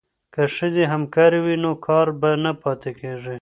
که ښځې همکارې وي نو کار به نه پاتې کیږي.